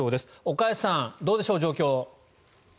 岡安さん、どうでしょう状況。